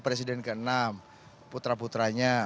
presiden ke enam putra putranya